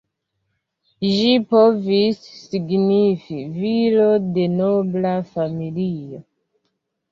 Ĝi povis signifi "viro de nobla familio".